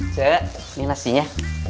cek ini nasinya